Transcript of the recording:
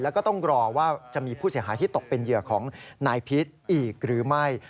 แล้วก็ต้องรอว่าจะมีผู้เสียหายที่ตกเป็นเหยื่อของนายพีชอีกหรือไม่